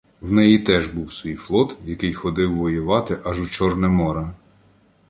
В неї теж був свій флот, який ходив воювати аж у Чорне море.